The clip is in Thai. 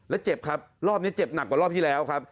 แล้วเจ็บครับรอบนี้เจ็บหนักกว่ารอบที่แล้วครับ